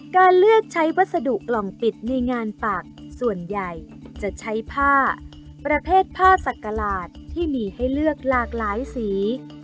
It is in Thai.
การเลือกใช้วัสดุกล่องปิดในงานปักส่วนใหญ่จะใช้ผ้าประเภทผ้าสักกระหลาดที่มีให้เลือกหลากหลายสี